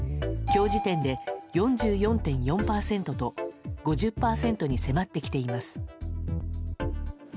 今日時点で４４．４％と５０％に迫ってきています。